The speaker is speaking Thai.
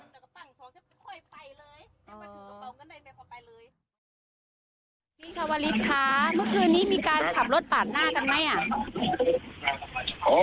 พี่ชาวฤทธิ์คะเมื่อคืนนี้มีการขับรถปากหน้ากันไหม